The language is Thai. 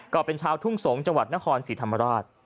ก็เป็นชาวทุ่งสงศ์จังหวัดนครศรีธรรมราช